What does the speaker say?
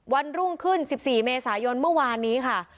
วันรุ่งขึ้น๑๔เมษายนเมื่อวานนี้ค่ะ